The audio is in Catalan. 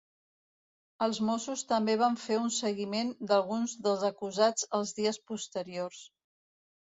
Els mossos també van fer un seguiment d’alguns dels acusats els dies posteriors.